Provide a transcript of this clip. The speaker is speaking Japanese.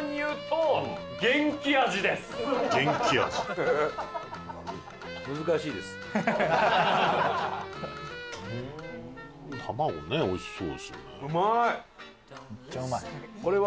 うまい！